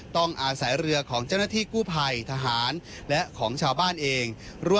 ต้องอาศัยเรือของเจ้าหน้าที่กู้ภัยทหารและของชาวบ้านเอง